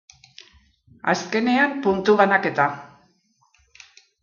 Azkenean, puntu banaketa.